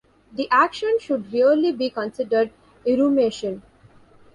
The action should really be considered "irrumation".